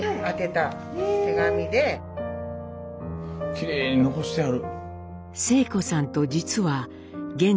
きれいに残してある。